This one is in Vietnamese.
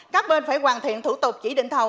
các bên phải hoàn thiện thủ tục chỉ định thầu